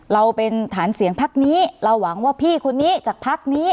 เราเป็นฐานเสียงพักนี้เราหวังว่าพี่คนนี้จากพักนี้